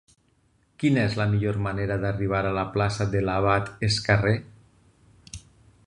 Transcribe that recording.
Quina és la millor manera d'arribar a la plaça de l'Abat Escarré?